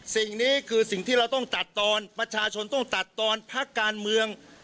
สิ่งนี้คือสิ่งที่เราต้องตัดตอนประชาชนต้องตัดตอนพักการเมือง